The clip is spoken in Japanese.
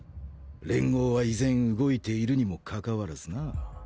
連合は依然動いているにも拘わらずな。